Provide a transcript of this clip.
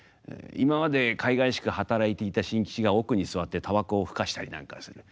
今までかいがいしく働いていた新吉が奥に座ってたばこを吹かしたりなんかする。